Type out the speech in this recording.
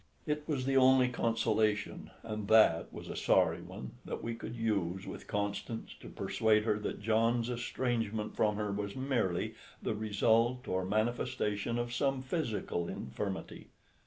It was the only consolation, and that was a sorry one, that we could use with Constance, to persuade her that John's estrangement from her was merely the result or manifestation of some physical infirmity.